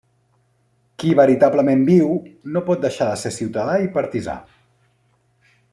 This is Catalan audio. Qui veritablement viu, no pot deixar de ser ciutadà i partisà.